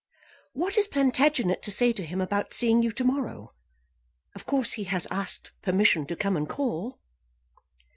"What is Plantagenet to say to him about seeing you to morrow? Of course he has asked permission to come and call."